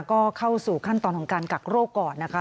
ก็เข้าสู่ขั้นตอนของการกักโรคก่อนนะคะ